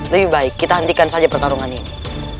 lebih baik kita hentikan saja pertarungan ini